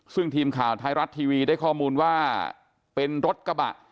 ซึ่งทีมข่าวไทยรัฐทีวีได้ข้อมูลว่าเป็นรถกระบะ